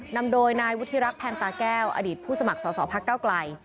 นำโดยนายวุฒิรักษ์แพนตาแก้วอดีตผู้สมัครสอสอพักเก้าไกล